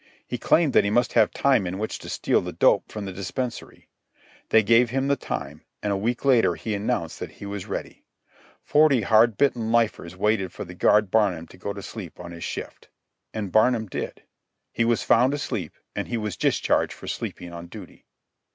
He claimed that he must have time in which to steal the dope from the dispensary. They gave him the time, and a week later he announced that he was ready. Forty hard bitten lifers waited for the guard Barnum to go to sleep on his shift. And Barnum did. He was found asleep, and he was discharged for sleeping on duty.